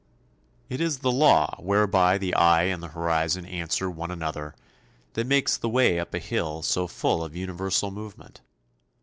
It is the law whereby the eye and the horizon answer one another that makes the way up a hill so full of universal movement.